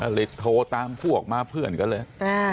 หรือโทรตามผู้ออกมาเพื่อนก็เลย